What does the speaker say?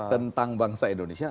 tentang bangsa indonesia